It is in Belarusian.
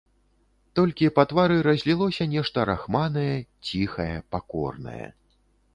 Толькі па твары разлілося нешта рахманае, ціхае, пакорнае.